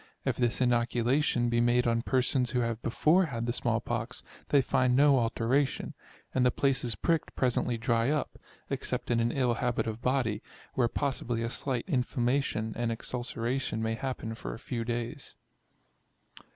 If this inoculation be made on persons who have before had the small pox, they find no alteration, and the places pricked presently dry up; except in an ill habit of body, where possibly a slight inflammation and exulceration may happen for a few days.